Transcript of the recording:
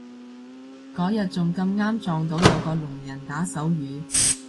嗰日仲咁啱撞到有個聾人打手語